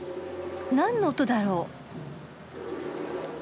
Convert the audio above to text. なんの音だろう？